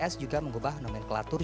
seperti geralod dan terakhir